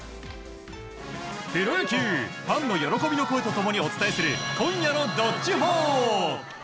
プロ野球ファンの喜びの声と共にお伝えする今夜の「＃どっちほー」。